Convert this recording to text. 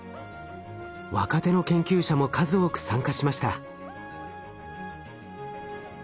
若手の研究者も数多く参加しました。